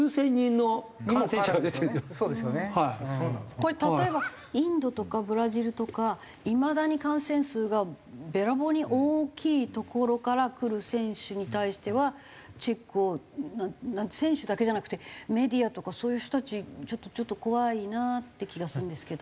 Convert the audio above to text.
これ例えばインドとかブラジルとかいまだに感染数がべらぼうに大きい所から来る選手に対してはチェックを選手だけじゃなくてメディアとかそういう人たちちょっと怖いなって気がするんですけど。